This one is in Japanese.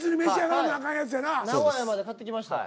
名古屋で買ってきました。